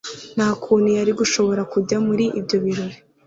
Nta kuntu yari gushobora kujya muri ibyo birori